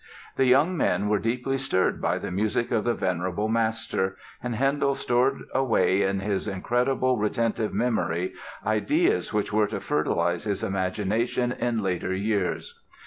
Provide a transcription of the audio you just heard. The young men were deeply stirred by the music of the venerable master and Handel stored away in his incredibly retentive memory ideas which were to fertilize his imagination in later years.